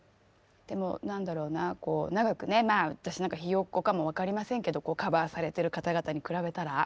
何だろうな長くねまあ私なんかひよっこかもわかりませんけどカバーされてる方々に比べたら。